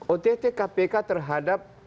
ott kpk terhadap